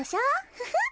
フフッ。